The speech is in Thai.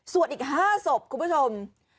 ส่วนอีก๕ศพคุณผู้ชม